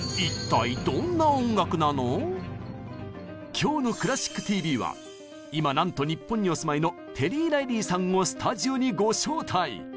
今日の「クラシックＴＶ」は今なんと日本にお住まいのテリー・ライリーさんをスタジオにご招待！